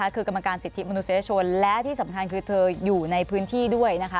คือกรรมการสิทธิมนุษยชนและที่สำคัญคือเธออยู่ในพื้นที่ด้วยนะคะ